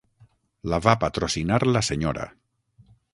La va patrocinar la senyora.